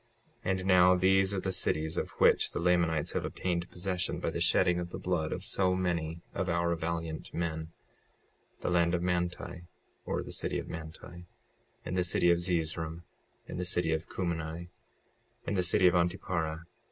56:13 And now these are the cities of which the Lamanites have obtained possession by the shedding of the blood of so many of our valiant men: 56:14 The land of Manti, or the city of Manti, and the city of Zeezrom, and the city of Cumeni, and the city of Antiparah.